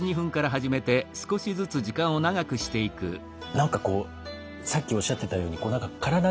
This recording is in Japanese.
何かこうさっきおっしゃってたように何かからだ